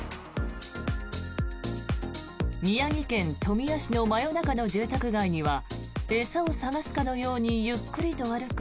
宮城県富谷市の真夜中の住宅街には餌を探すかのようにゆっくりと歩く